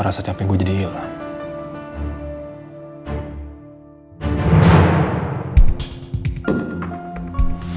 semua rasa capek gua jadi hilang